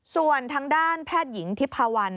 ส่วนทางด้านแพทยิงทิพวัญ